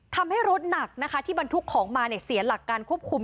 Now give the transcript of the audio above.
ทำให้รถหนักนะคะที่บรรทุกของมาเสียหลักการควบคุม